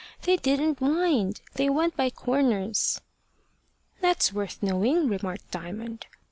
They didn't wind. They went by corners." "That's worth knowing," remarked Diamond.